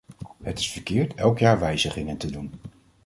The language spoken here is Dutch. Het is verkeerd elk jaar wijzigingen te doen.